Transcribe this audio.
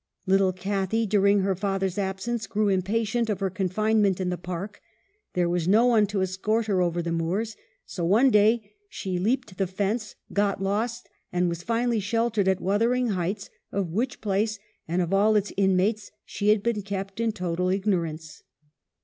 Little Cathy, during her father's absence, grew impatient of her confinement to the park ; there was no one to escort her over the moors, so one day she leapt the fence, got lost, and was finally sheltered at Wuthering Heights, of which place and of all its inmates she had been kept in total ignorance.